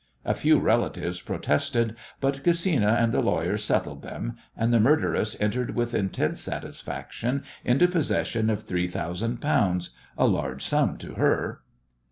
A few relatives protested, but Gesina and the lawyer settled them, and the murderess entered with intense satisfaction into possession of three thousand pounds, a large sum to her.